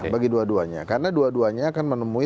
bagi dua duanya karena dua duanya akan menemui